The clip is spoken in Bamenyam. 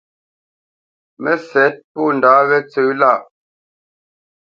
Mə́sɛ̌t pô ndǎ wó tsə̄ lâʼ.